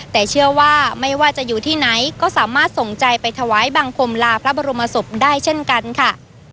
แต่เชื่อว่าไม่ว่าจะอยู่ที่ไหนก็สามารถส่งใจไปถวายบังคมลาพระบรมศพได้เช่นกันค่ะ